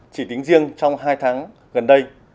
chỉ tính riêng trong hai tháng gần đây